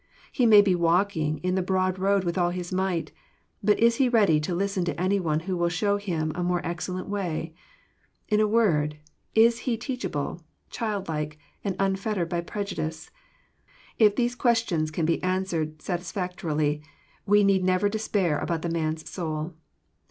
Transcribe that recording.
He may be walking in the broad road with all his might. But is he ready to listen to any one who will show him a more excellent way? In a word, is he teachable, childlike, and unfettered by preju dice? If these questions can be answered satisfactorily, we never need despair about the man's soul.